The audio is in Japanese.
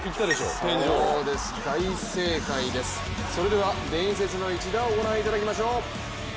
大正解です、それでは伝説の一打を御覧いただきましょう。